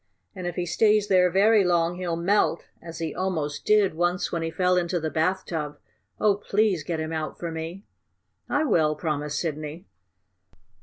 And if he stays there very long he'll melt, as he almost did once when he fell into the bathtub. Oh, please get him out for me." "I will!" promised Sidney.